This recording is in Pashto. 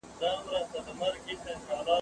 ټول ښوونکي په مسلکي توګه نه وو روزل سوي.